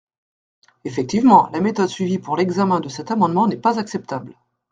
Effectivement, la méthode suivie pour l’examen de cet amendement n’est pas acceptable.